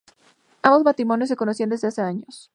Ambos matrimonios se conocían desde hace años.